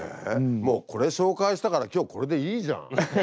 もうこれ紹介したから今日これでいいじゃん。